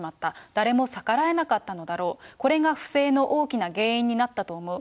誰も逆らえなかったのだろう、これが不正の大きな原因になったと思う。